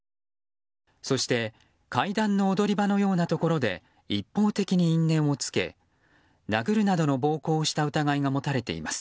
そして階段の踊り場のようなところで一方的に因縁をつけ殴るなどの暴行をした疑いが持たれています。